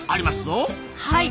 はい。